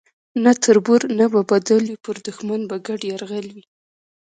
نه تربور نه به بدل وي پر دښمن به ګډ یرغل وي